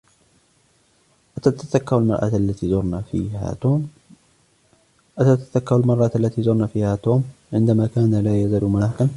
أتتذكر المرة التي زرنا فيها توم عندما كان لا يزال مراهقا ؟